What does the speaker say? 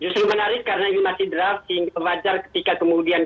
justru menarik karena ini masih draft sehingga wajar ketika kemudian kita ikut berpartisipasi